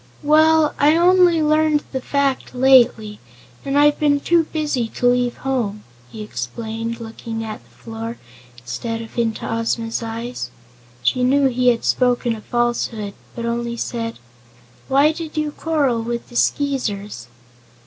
"Well, I only learned the fact lately, and I've been too busy to leave home," he explained, looking at the floor instead of into Ozma's eyes. She knew he had spoken a falsehood, but only said: "Why did you quarrel with the Skeezers?"